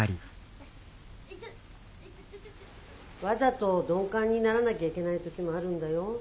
わざと鈍感にならなきゃいけない時もあるんだよ。